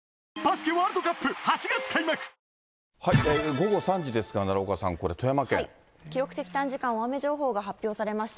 午後３時ですか、奈良岡さん、これ、記録的短時間大雨情報が発表されました。